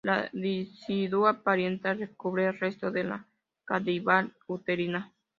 La "decidua parietal, recubre el resto de la cavidad uterina.